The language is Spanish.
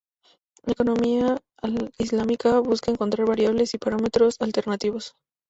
La economía islámica busca encontrar variables y parámetros alternativos.